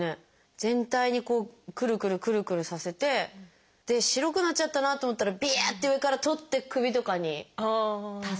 全体にこうクルクルクルクルさせて白くなっちゃったなと思ったらビャって上から取って首とかに足す。